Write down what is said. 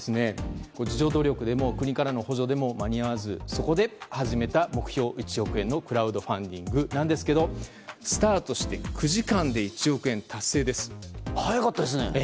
自助努力でも国からの補助でも間に合わずそこで始めた、目標１億円のクラウドファンディングですがスタートして９時間で早かったですね。